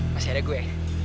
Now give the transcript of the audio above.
masih ada gue